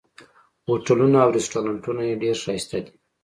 هوټلونه او رسټورانټونه یې ډېر ښایسته دي.